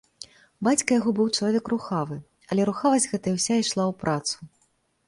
Бацька яго быў чалавек рухавы, але рухавасць гэтая ўся ішла ў працу.